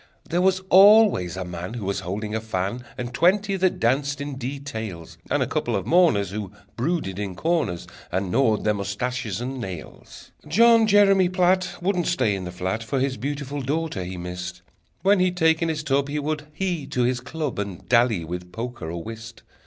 There was always a man Who was holding her fan, And twenty that danced in details, And a couple of mourners, Who brooded in corners, And gnawed their mustaches and nails. John Jeremy Platt Wouldn't stay in the flat, For his beautiful daughter he missed: When he'd taken his tub, He would hie to his club, And dally with poker or whist.